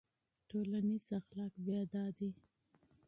ټولنیز اخلاق بیا دا دي.